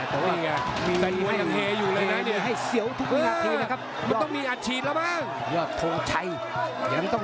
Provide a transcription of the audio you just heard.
แต่ว่ามีแฟนมัวอย่างเฮอยู่เลยนะมีให้เสียวทุกนาทีนะครับ